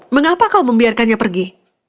mengapa kau membiarkannya pergi